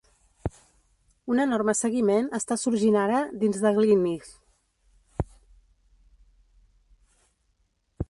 Un enorme seguiment està sorgint ara dins de Glynneath.